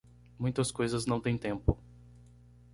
Muitas coisas não têm tempo